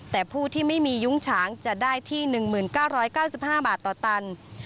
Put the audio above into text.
แต่ผู้ที่ไม่มียุ้งฉางจะได้ที่๑๙๙๕บาทต่อตัน